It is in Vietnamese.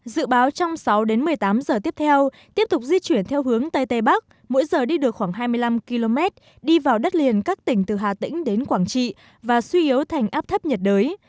dự báo trong sáu đến một mươi tám giờ tiếp theo tiếp tục di chuyển theo hướng tây tây bắc mỗi giờ đi được khoảng hai mươi năm km đi vào đất liền các tỉnh từ hà tĩnh đến quảng trị và suy yếu thành áp thấp nhiệt đới